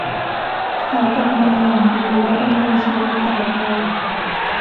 เขากลับมาอย่างดีและดำเนินชีวิตต่อไป